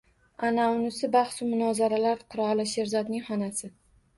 Anaunisi bahsu munozaralar qiroli — Sherzodning xonasi